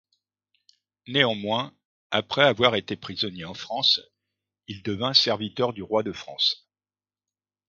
Néanmoins, après avoir été prisonnier en France, il devint serviteur du roi de France.